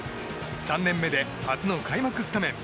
３年目で初の開幕スタメン。